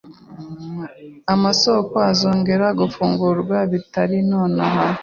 amasoko azongera gufungura bitari nonaha